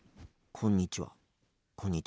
こんにちは。